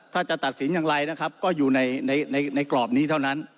ถ้าจะตัดสินอย่างไรนะครับก็อยู่ในกรอบนี้เท่านั้น